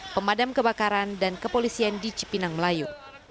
pemadam kebakaran dan kepolisian di cipinang melayu